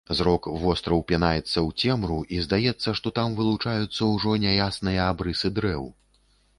Зрок востра ўпінаецца ў цемру, і здаецца, што там вылучаюцца ўжо няясныя абрысы дрэў.